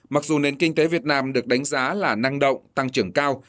mặc dù nền kinh tế việt nam được đánh giá là năng động tăng trưởng cao